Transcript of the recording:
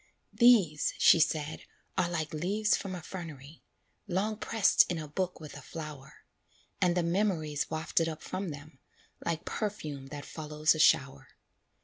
"These," she said, "are like leaves from a fernery, Long pressed in a book with a flower; And the memories wafted up from them, Like perfume that follows a shower.